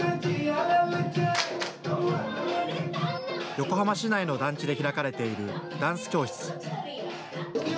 横浜市内の団地で開かれているダンス教室。